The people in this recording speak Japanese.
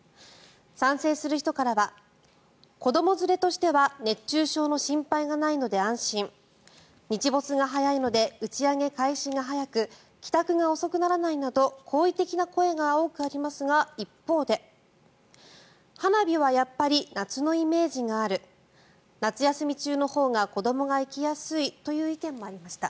賛成する人からは子ども連れとしては熱中症の心配がないので安心日没が早いので打ち上げ開始が早く帰宅が遅くならないなど好意的な声が多くありますが一方で、花火はやっぱり夏のイメージがある夏休み中のほうが子どもが行きやすいという意見もありました。